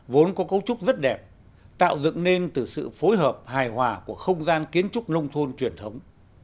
vốn có cấu trúc rất đẹp tạo dựng nên từ sự phối hợp hài hòa của không gian kiến trúc nông thôn truyền thống